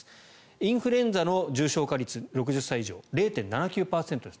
インフルエンザの重症化率６０歳以上、０．７９％です。